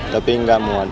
tapi enggak muat